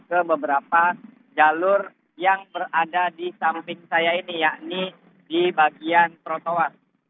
ke beberapa jalur yang berada di samping saya ini yakni di bagian trotoar